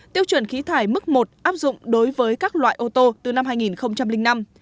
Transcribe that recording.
tiêu chuẩn khí thải mức một áp dụng đối với các loại ô tô từ năm hai nghìn năm